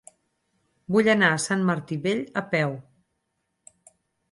Vull anar a Sant Martí Vell a peu.